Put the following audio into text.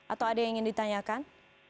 atau ada yang ingin ditanyakan